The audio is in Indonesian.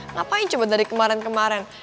ngapain coba dari kemarin kemarin